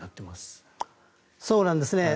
そうなんですね。